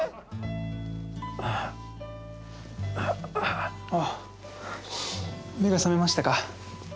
あっあっ目が覚めましたか